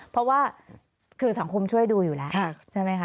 เพราะว่าคือสังคมช่วยดูอยู่แล้วใช่ไหมคะ